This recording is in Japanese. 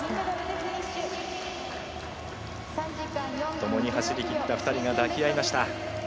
ともに走りきった２人が抱き合いました。